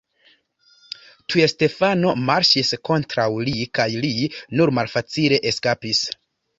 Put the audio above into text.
Tuj Stefano marŝis kontraŭ li kaj li nur malfacile eskapis.